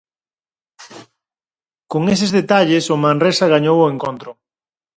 Con eses detalles o Manresa gañou o encontro.